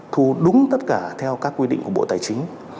thu đúng tất cả theo các quy định của bộ tài chính